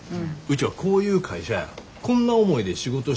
うちはこういう会社やこんな思いで仕事してる